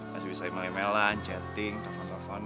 masih bisa email emailan chatting telfon telfon